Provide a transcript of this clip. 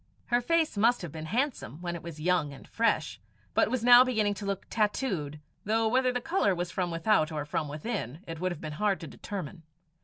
Her face must have been handsome when it was young and fresh; but was now beginning to look tattooed, though whether the colour was from without or from within, it would have been hard to determine.